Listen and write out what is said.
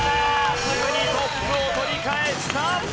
すぐにトップを取り返した！